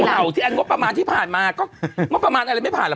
เห่าที่อันงบประมาณที่ผ่านมาก็งบประมาณอะไรไม่ผ่านแล้ว